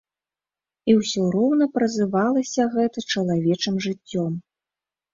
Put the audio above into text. І ўсё роўна празывалася гэта чалавечым жыццём.